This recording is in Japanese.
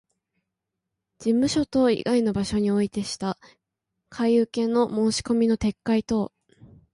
事務所等以外の場所においてした買受けの申込みの撤回等